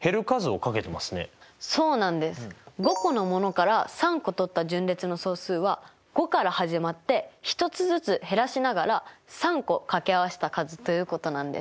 ５個のものから３個とった順列の総数は５から始まって１つずつ減らしながら３個かけ合わせた数ということなんです。